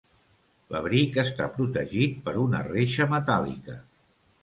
L'abric està protegit per una reixa metàl·lica.